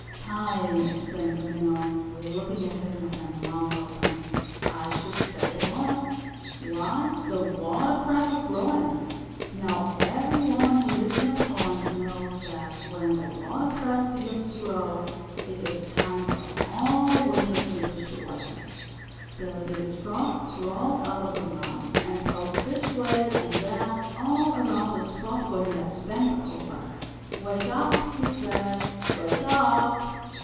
"Time!" exclaimed the Minnow, looking at him with her mouth open. "I should say it was. Why, the watercress is growing!" Now every one who lives in a pond knows that when the watercress begins to grow, it is time for all the winter sleepers to awaken. The Biggest Frog crawled out of the mud and poked this way and that all around the spot where he had spent the cold weather. "Wake up!" he said. "Wake up!